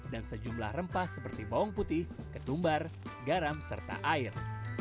dan sejumlah rempah seperti bawang putih ketumbar garam serta air